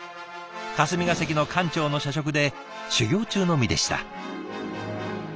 霞が関の官庁の社食で修業中の身でした。